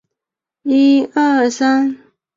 有三种已知的原核释放因子涉及翻译的终止。